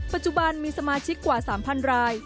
ปัจจุบันมีสมาชิกกว่า๓๐๐ราย